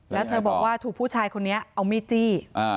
แล้วเธอบอกว่าถูกผู้ชายคนนี้เอามีดจี้